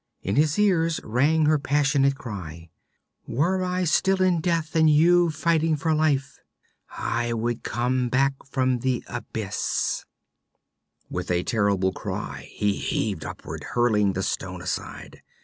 In his ears rang her passionate cry: 'Were I still in death and you fighting for life I would come back from the abyss ' With a terrible cry he heaved upward hurling the stone aside.